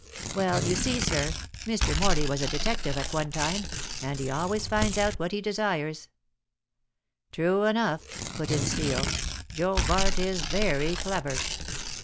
"Well, you see, sir, Mr. Morley was a detective at one time, and he always finds out what he desires." "True enough," put in Steel, "Joe Bart is very clever."